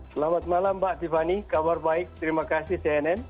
selamat malam mbak tiffany kabar baik terima kasih cnn